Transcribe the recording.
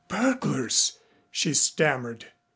"Burglars!" she stammered.